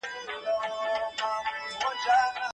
پوهانو ويلي دي چي فارابي د افلاطون له اندونو اغېزمن و.